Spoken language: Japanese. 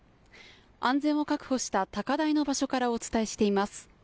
安全を確保した高台の場所からお伝えしています。